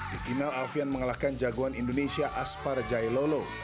di final alfian mengalahkan jagoan indonesia aspar jailolo